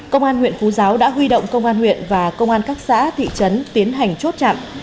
công an huyện phú giáo đã huy động công an huyện và công an các xã thị trấn tiến hành chốt chặn